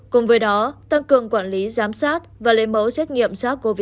cùng với đó tăng cường quản lý giám sát và lấy mẫu xét nghiệm sars cov hai